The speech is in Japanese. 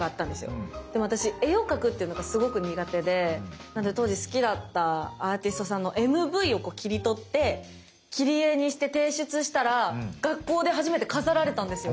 でも私絵を描くっていうのがすごく苦手でなので当時好きだったアーティストさんのＭＶを切り取って切り絵にして提出したら学校で初めて飾られたんですよ。